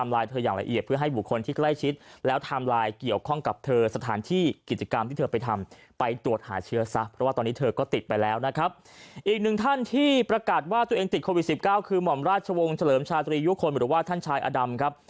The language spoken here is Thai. รับผิดชอบตัวเองรับผิดชอบสังคม